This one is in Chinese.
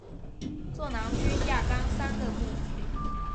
座囊菌亚纲三个目。